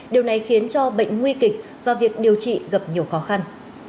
điều này khiến cho bệnh nguy kịch và việc điều trị gặp nhiều khó khăn